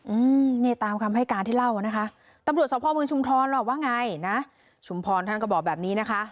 อืมนี่ตามคำให้การที่เล่าอ่ะนะคะตำรวจสภเมืองชุมพรหรอกว่าไงนะชุมพรท่านก็บอกแบบนี้นะคะ